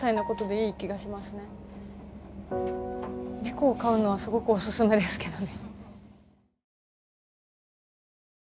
猫を飼うのはすごくオススメですけどね。